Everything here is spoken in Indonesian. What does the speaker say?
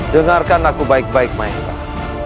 dengarkan aku baik baik maesah